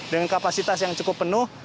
dengan kapasitas yang cukup penuh